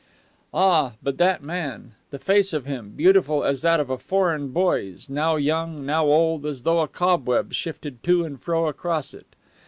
Ah, but that man the face of him, beautiful as that of a foreign boy's, now young, now old, as though a cobweb shifted to and fro across it!